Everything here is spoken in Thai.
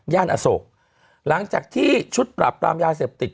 อโศกหลังจากที่ชุดปราบปรามยาเสพติด